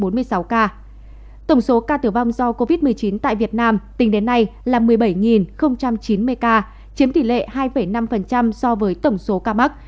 tổng số ca tử vong do covid một mươi chín tại việt nam tính đến nay là một mươi bảy chín mươi ca chiếm tỷ lệ hai năm so với tổng số ca mắc